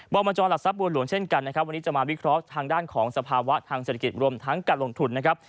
บจรหลักทรัพย์บัวหลวงเช่นกันนะครับวันนี้จะมาวิเคราะห์ทางด้านของสภาวะทางเศรษฐกิจรวมทั้งการลงทุนนะครับ